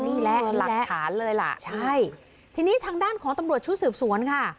นี่แหละหลักฐานเลยล่ะใช่ทีนี้ทางด้านของตำรวจชุดสืบสวนค่ะ